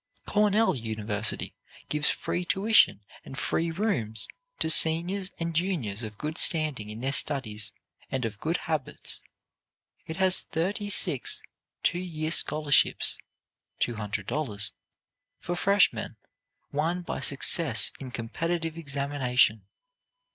Cornell University gives free tuition and free rooms to seniors and juniors of good standing in their studies and of good habits. It has thirty six two year scholarships (two hundred dollars), for freshmen, won by success in competitive examination.